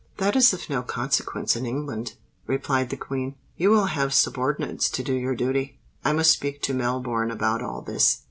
"That is of no consequence in England," replied the Queen. "You will have subordinates to do your duty. I must speak to Melbourne about all this.